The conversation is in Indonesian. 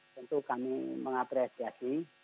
tentu kami mengapresiasi